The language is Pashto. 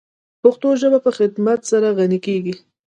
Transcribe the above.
پښتو ژبه په خدمت سره غَنِی کیږی.